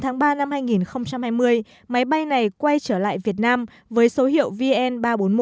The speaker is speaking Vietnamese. ngày ba hai nghìn hai mươi máy bay này quay trở lại việt nam với số hiệu vn ba trăm bốn mươi một